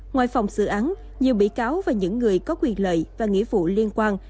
ngoài phòng xử án nhiều bị cáo và những người có quyền lợi và nghĩa vụ liên quan